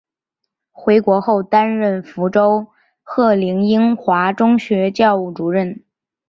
回国后担任福州鹤龄英华中学校务主任。